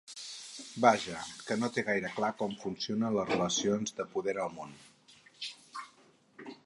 Vaja, que no té gaire clar com funcionen les relacions de poder al món.